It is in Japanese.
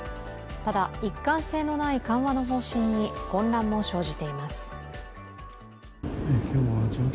ただ、一貫性のない緩和の方針に混乱も生じています。